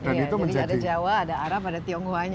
jadi ada jawa ada arab ada tionghoanya